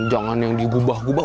jangan yang digubah gubah